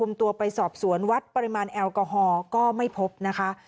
ตัวไปสอบสวนวัดปริมาณแอลกอฮอล์ก็ไม่พบนะคะ